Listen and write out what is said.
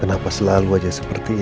kenapa selalu aja seperti itu